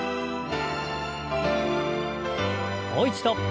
もう一度。